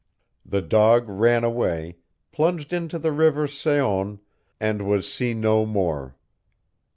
The dog ran away, plunged into the river Saone and was seen no more.